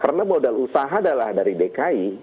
karena modal usaha adalah dari dki